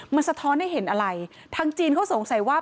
มันสะท้อนให้เห็นอะไรทางจีนเขาสงสัยว่า